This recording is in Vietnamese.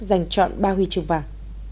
giành chọn ba huy trường vàng